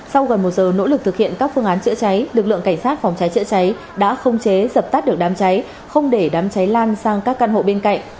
sau gần một giờ nỗ lực thực hiện các phương án chữa cháy lực lượng cảnh sát phòng cháy chữa cháy đã không chế dập tắt được đám cháy không để đám cháy lan sang các căn hộ bên cạnh